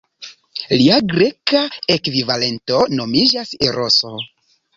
Lia greka ekvivalento nomiĝas Eroso.